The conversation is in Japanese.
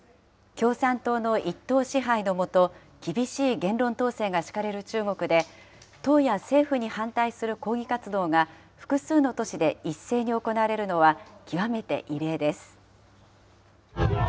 共産党の一党支配の下、厳しい言論統制が敷かれる中国で、党や政府に反対する抗議活動が複数の都市で一斉に行われるのは、極めて異例です。